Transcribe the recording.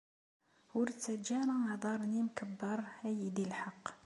Ur ttaǧǧa ara aḍar n yimkebber a iyi-d-ilḥeq.